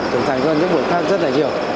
trưởng thành hơn những buổi khác rất là nhiều